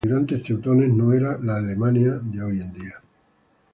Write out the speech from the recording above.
El origen de los emigrantes teutones no era la Alemania de hoy en día.